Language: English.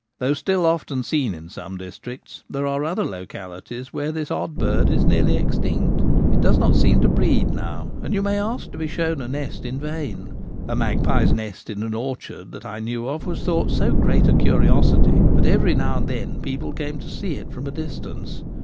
Though still often seen in some districts, there are other localities where this odd bird is nearly extinct It does not seem to breed now, and you may ask to be shown a nest in vain. A magpie's nest in an orchard that I knew of was thought so great a curiosity that every now and then people came to see it from a distance.